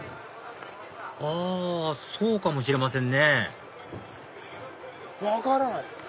あそうかもしれませんね分からない！